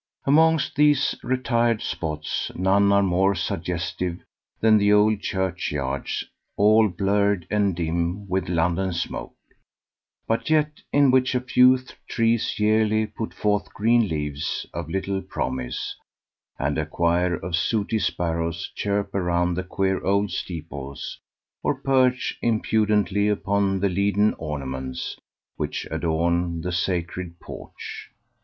Amongst these retired spots none are more suggestive than the old churchyards all blurred and dim with London smoke, but yet in which a few trees yearly put forth green leaves of little promise, and a choir of sooty sparrows chirp around the queer old steeples or perch impudently upon the leaden ornaments which adorn the sacred porch.